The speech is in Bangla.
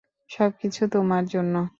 সবকিছু তোমার জন্য!